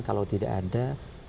kalau tidak ada